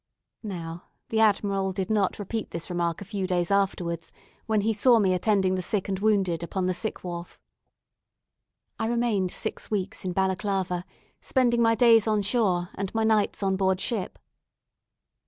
Now, the Admiral did not repeat this remark a few days afterwards, when he saw me attending the sick and wounded upon the sick wharf. I remained six weeks in Balaclava, spending my days on shore, and my nights on board ship.